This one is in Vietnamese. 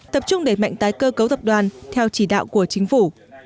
tập trung để mạnh tái cơ cấu tập đoàn theo chỉ đạo của chính phủ